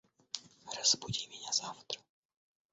Разбуди меня завтра